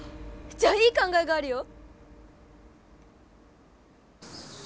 じゃあいい考えがあるよ！